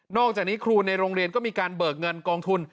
อกจากนี้ครูในโรงเรียนก็มีการเบิกเงินกองทุน